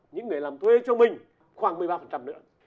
những người làm thuê cho mình khoảng một mươi ba nữa